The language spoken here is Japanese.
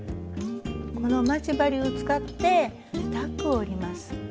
この待ち針を使ってタックを折ります。